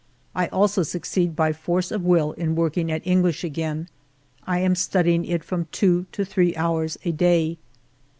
I also succeed by force of will in work ing at English again ; I am studying it from two to three hours a day.